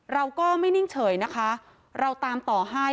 เราก็ไม่นิ่งเฉยนะคะเราตามต่อให้